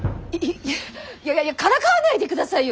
いやいやいやからかわないでくださいよ！